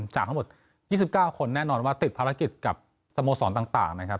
จากทั้งหมด๒๙คนแน่นอนว่าติดภารกิจกับสโมสรต่างนะครับ